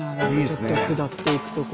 ちょっと下っていく所。